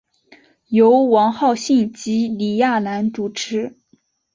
由王浩信及李亚男主持。